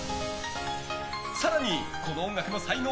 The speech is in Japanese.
更に、この音楽の才能